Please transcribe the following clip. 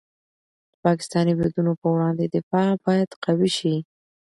د پاکستاني بریدونو په وړاندې دفاع باید قوي شي.